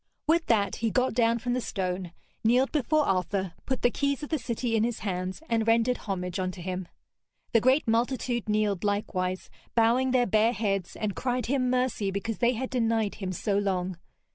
With that he got down from the stone, kneeled before Arthur, put the keys of the city in his hands, and rendered homage unto him. The great multitude kneeled likewise, bowing their bare heads, and cried him mercy because they had denied him so long.